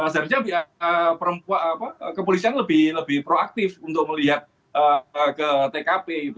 seharusnya perempuan kepolisian lebih proaktif untuk melihat ke tkp